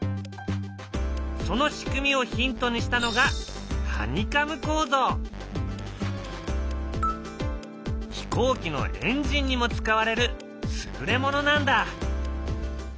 その仕組みをヒントにしたのが飛行機のエンジンにも使われる優れものなんだ。